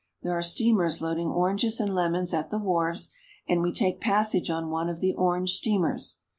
There are steamers loading oranges and lemons at the wharves, and we take passage on one of the orange steamers.